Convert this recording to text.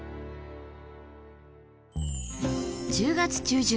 １０月中旬